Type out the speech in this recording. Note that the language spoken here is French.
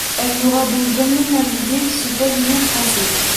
Elle n'aura donc jamais navigué sous pavillon français.